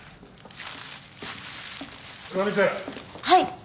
はい。